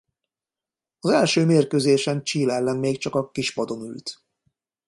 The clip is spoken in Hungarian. Az első mérkőzésén Chile ellen még csak a kispadon ült.